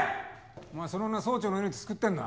お前その女は総長の命救ってんだ。